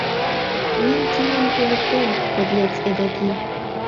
Минь тиньым туныктем, подлец эдакий...